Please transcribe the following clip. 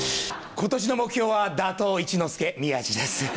ことしの目標は、打倒一之輔、宮治です。